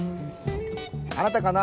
あなたかな？